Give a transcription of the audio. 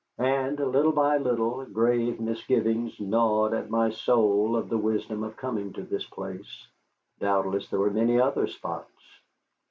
And little by little grave misgivings gnawed at my soul of the wisdom of coming to this place. Doubtless there were many other spots.